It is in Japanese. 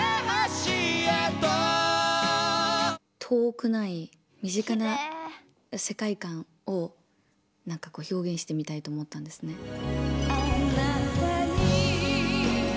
遠くない身近な世界観を表現してみたいと思ったんですね。